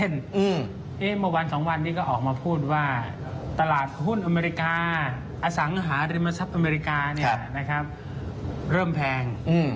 เมื่อวัน๒วันนี้ก็ออกมาพูดว่าตลาดหุ้นอเมริกาอสังหาริมทรัพย์อเมริกาเริ่มแพง